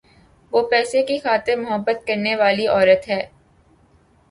وہ پیسے کی خاطر مُحبت کرنے والی عورت ہے۔`